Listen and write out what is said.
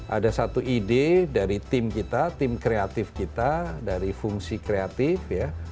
ada satu ide dari tim kita tim kreatif kita dari fungsi kreatif ya